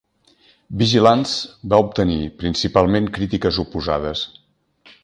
"Vigilance" va obtenir principalment crítiques oposades.